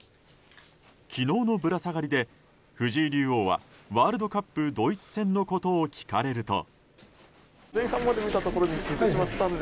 昨日のぶら下がりで藤井竜王はワールドカップドイツ戦のことを聞かれると。